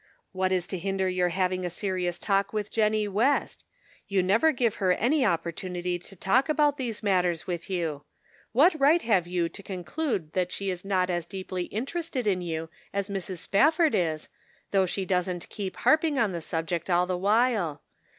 What is to hinder your having a serious talk with Jennie West ? You never give her any opportunity to talk about these matters with you. What right have you to conclude that she is not as deeply interested in you as Mrs. Spafford is, though she doesn't keep harping on the subject all the while.